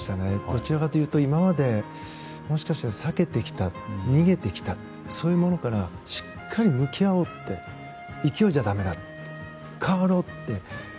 どちらかというと今まで避けてきた、逃げてきたそういうものからしっかり向き合おうって勢いじゃだめだ、変わろうって。